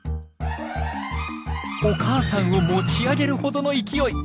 お母さんを持ち上げるほどの勢い！